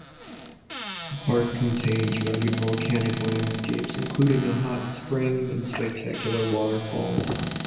The park contains rugged volcanic landscapes including a hot spring and spectacular waterfalls.